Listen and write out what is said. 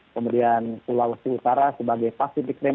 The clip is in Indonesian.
kemudian sulawesi utara sebagai pacific rem